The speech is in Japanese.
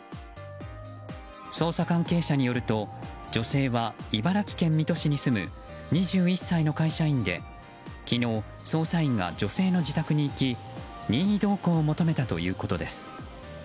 捜査関係者によると女性は茨城県水戸市に住む２１歳の会社員で昨日、捜査員が女性の自宅に行き任意同行を求めたということです。